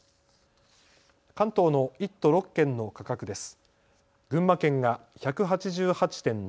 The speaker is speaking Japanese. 関東の１都６県の価格です。